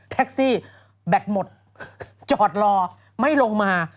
แท็กซี่แบตหมดจอดรอไม่ลงมา